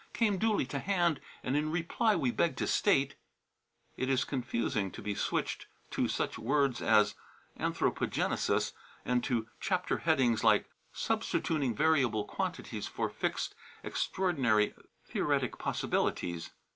came duly to hand and in reply we beg to state " it is confusing to be switched to such words as "anthropogenesis" and to chapter headings like "Substituting Variable Quantities for Fixed Extraordinary Theoretic Possibilities."